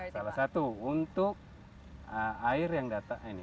salah satu untuk air yang datang ini